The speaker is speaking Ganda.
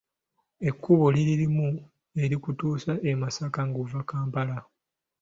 Ekkubo liri limu erikutuusa e Masaka nga ova Kampala.